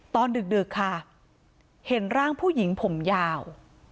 ดึกค่ะเห็นร่างผู้หญิงผมยาว